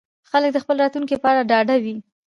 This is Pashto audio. خلک د خپل راتلونکي په اړه ډاډه وي.